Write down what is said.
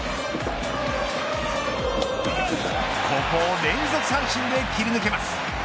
ここを連続三振で切り抜けます。